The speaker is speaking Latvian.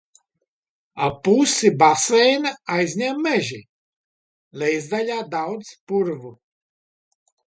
Ap pusi baseina aizņem meži, lejasdaļā daudz purvu.